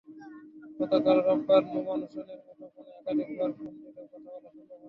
গতকাল রোববার নোমান হোসেনের মুঠোফোনে একাধিকবার ফোন দিলেও কথা বলা সম্ভব হয়নি।